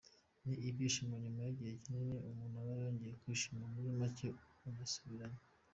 "Ni ibyishimo nyuma y’igihe kinini, umuntu aba yongeye kwishima, muri make ubu nasubiranye.